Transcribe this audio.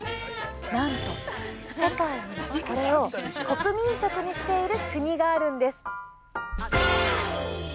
なんと世界にはこれを国民食にしている国があるんです。